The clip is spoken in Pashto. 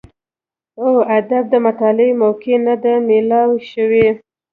او ادب د مطالعې موقع نۀ ده ميلاو شوې